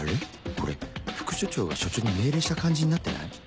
これ副署長が署長に命令した感じになってない？